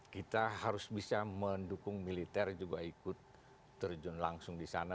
kita harus bisa mendukung militer juga ikut terjun langsung di sana